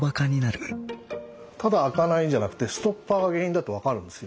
ただ開かないんじゃなくてストッパーが原因だって分かるんですよ。